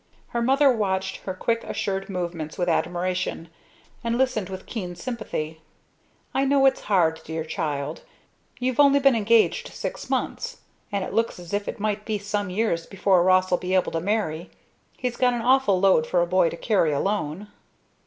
Her mother watched her quick assured movements with admiration, and listened with keen sympathy. "I know it's hard, dear child. You've only been engaged six months and it looks as if it might be some years before Ross'll be able to marry. He's got an awful load for a boy to carry alone."